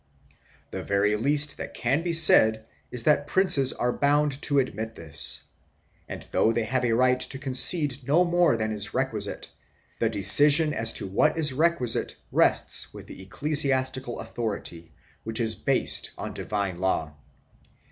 The very least that can be said is that princes are bound to admit this, and though they have a right to concede no more than is requisite, the decision as to what is requisite rests with the ecclesiastical authority, which is based on divine law.